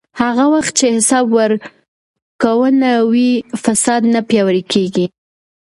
هغه وخت چې حساب ورکونه وي، فساد نه پیاوړی کېږي.